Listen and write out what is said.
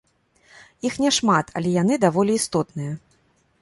Іх няшмат, але яны даволі істотныя.